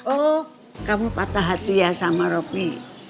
oh kamu patah hati ya sama roby